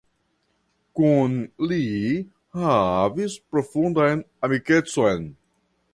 Kun li havis profundan amikecon.